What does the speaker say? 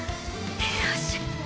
よし。